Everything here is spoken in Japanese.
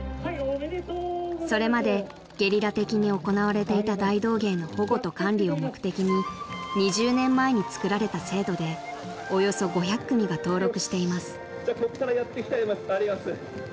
［それまでゲリラ的に行われていた大道芸の保護と管理を目的に２０年前につくられた制度でおよそ５００組が登録しています］